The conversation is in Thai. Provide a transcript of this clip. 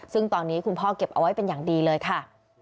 ซึ่งตอนนี้คุณพ่อเก็บเอาไว้เป็นอย่างดีเลยค่ะ